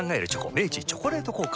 明治「チョコレート効果」